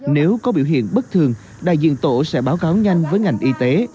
nếu có biểu hiện bất thường đại diện tổ sẽ báo cáo nhanh với ngành y tế